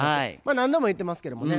何度も言ってますけどもね